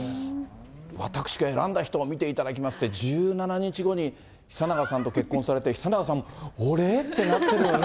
私が選んだ人を見ていただきますって、１７日後に久永さんと結婚されて、久永さんも、俺？ってなってるだろうね。